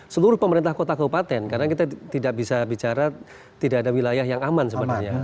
seluruh pemerintah kota keupatan karena kita tidak bisa bicara tidak ada wilayah yang aman sebenarnya